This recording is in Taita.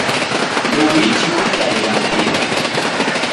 Ndouichi kusarigha mpira.